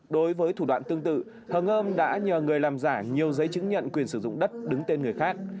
đối với thủ đoạn tương tự hồng ơm đã nhờ người làm giả nhiều giấy chứng nhận quyền sử dụng đất đứng tên người khác